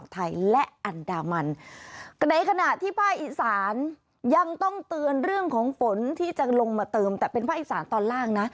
เตือนเรื่องของฝนที่จะลงมาเติมแต่เป็นภาคอีสานตอนล่างนะ